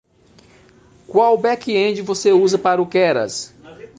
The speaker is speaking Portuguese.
Qual backend você usa para o Keras?